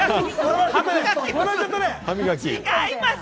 違います！